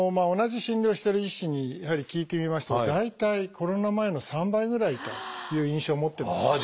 同じ診療をしてる医師にやはり聞いてみますと大体コロナ前の３倍ぐらいという印象を持ってます。